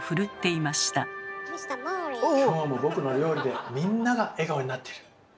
今日も僕の料理でみんなが笑顔になってる。